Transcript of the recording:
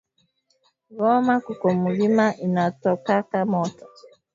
Goma kuko mulima inatokaka moto